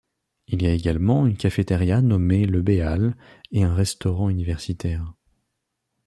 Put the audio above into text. Il y a également une cafétéria nommée le Béal et un restaurant universitaire.